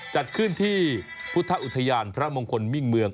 จัดขึ้นที่พุทธอุทยานพระมงคลมิ่งเมือง